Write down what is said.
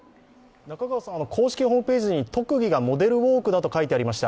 中川さん、公式ホームページに特技がモデルウォークだと書いてありました。